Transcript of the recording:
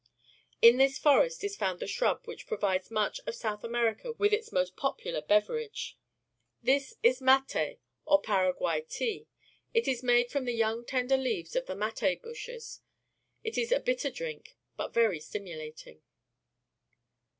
In this forest is found the shrub which pro\'ides much of South America with its most popular beverage. This is malr , or Paraguay tea. It is made from the young, tender leaves of the mate bushes. It is a bitter drink, but verj^ stimulating.